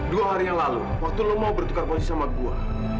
dua hari yang lalu waktu lo mau bertukar posisi sama buah